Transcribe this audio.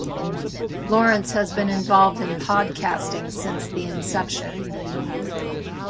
Lawrence has been involved in podcasting since the inception.